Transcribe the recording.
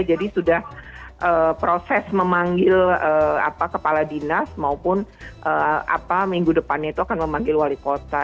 jadi sudah proses memanggil kepala dinas maupun apa minggu depannya itu akan memanggil wali kota